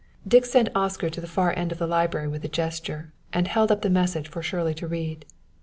Dick sent Oscar to the far end of the library with a gesture, and held up the message for Shirley to read.